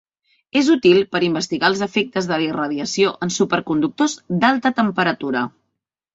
És útil per investigar els efectes de la irradiació en superconductors d'alta temperatura.